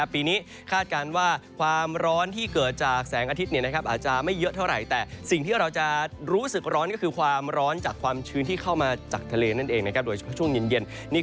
ปีนี้คาดกันว่าความร้อนที่เกิดจากแสงอาทิตย์